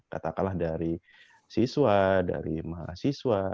katakanlah dari siswa dari mahasiswa